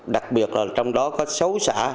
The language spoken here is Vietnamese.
đặc biệt là trong đó có sáu xã